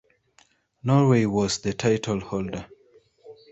Norway was the title holder.